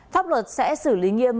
pháp luật sẽ xử lý nghiêm